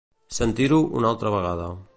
Sentir-ho una altra vegada.